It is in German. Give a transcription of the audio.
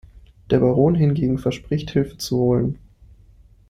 Der Baron hingegen verspricht, Hilfe zu holen.